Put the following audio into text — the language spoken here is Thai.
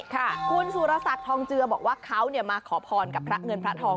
คุณสุรศักดิ์ทองเจือบอกว่าเขามาขอพรกับพระเงินพระทอง